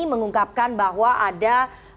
mengungkapkan bahwa ada